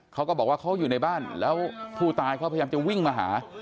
เขาก็บอกว่าเขาอยู่ในบ้านแล้วผู้ตายเขาพยายามจะวิ่งมาหา